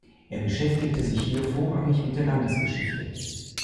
Er beschäftigte sich hier vorrangig mit der Landesgeschichte.